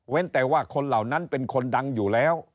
แต่ว่าคนเหล่านั้นเป็นคนดังอยู่แล้ว